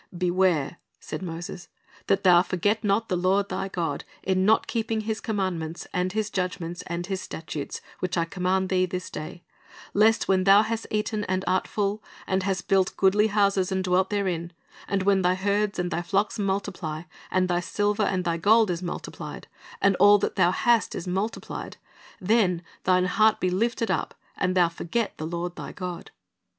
"Beware," said Moses, "that thou forget not the Lord thy God, in not keeping His commandments, and His judgments, and His statutes, which I command thee this day: lest when thou hast eaten and art full, and has built goodly houses, and dwelt therein ; and when thy herds and thy flocks multiply, and thy silver and thy gold is multiplied, and all that thou hast is multiplied; then thine heart be lifted up, and thou forget the Lord thy God.